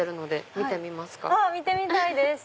見てみたいです！